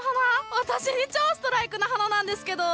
私に超ストライクな花なんですけど！